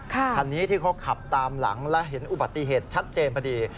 คันนี้ที่เขาขับตามหลังและเห็นอุบัติเหตุชัดเจนพอดี